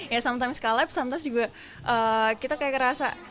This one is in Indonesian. ya sometimes kalep sometimes juga kita kayak ngerasa